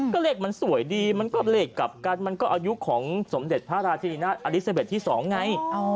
ก็เลขมันสวยดีมันก็เลขกลับกันมันก็อายุของสมเด็จพระราชินินาศอลิซาเบสที่๒ไง